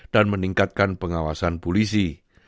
dan meningkatkan pengawasan polisi